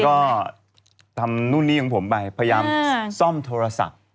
ก็ทำนู่นนี่ของผมไปพยายามซ่อมโทรศัพท์